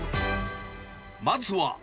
まずは。